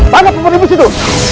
mana pemerintah itu